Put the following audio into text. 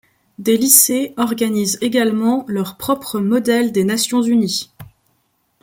Des lycées organisent également leurs propres Modèles des Nations unies.